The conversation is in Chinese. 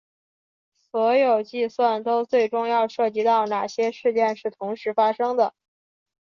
所有计算都最终要涉及到哪些事件是同时发生的。